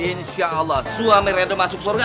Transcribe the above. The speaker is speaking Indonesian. insya allah suami redo masuk surga